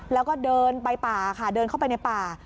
แล้วก็เดินไปป่าค่ะเดินเข้าไปในป่า